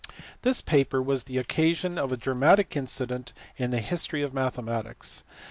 This paper was the occasion of a dramatic incident in the history of mathematics.